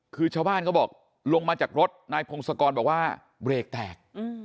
คือชาวบ้านเขาบอกลงมาจากรถนายพงศกรบอกว่าเบรกแตก